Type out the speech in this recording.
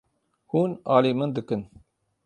Hûn alî min dikin.